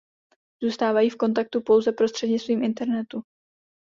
Zůstávají v kontaktu pouze prostřednictvím internetu.